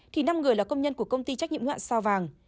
thì năm người là công nhân của công ty trách nhiệm hữu hạn sao vàng